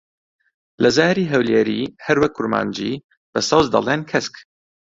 لە زاری هەولێری، هەروەک کورمانجی، بە سەوز دەڵێن کەسک.